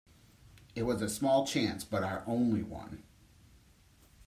It was a small chance but our only one.